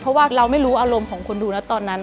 เพราะว่าเราไม่รู้อารมณ์ของคนดูนะตอนนั้น